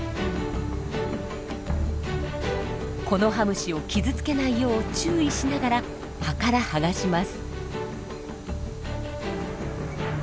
コノハムシを傷つけないよう注意しながら葉から剥がします。